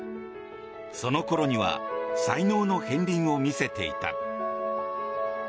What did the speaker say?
その頃には才能の片りんを見せていた。